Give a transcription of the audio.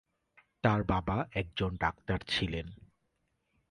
তার বাবা একজন ডাক্তার ছিলেন।